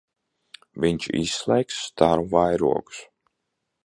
Viņš izslēgs staru vairogus.